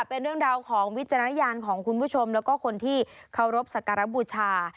เป็นเรื่องราวของวิจารณญาณของคุณผู้ชมแล้วก็คนที่เคารพสักการบูชา